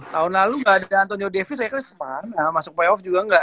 tahun lalu gak ada antonio davis reckless kemana masuk playoff juga gak